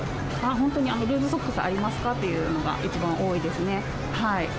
本当にルーズソックスありますかというのが一番多いですね。